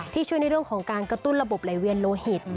ที่ช่วยในเรื่องของการกระตุ้นระบบไหลเวียนโลหิต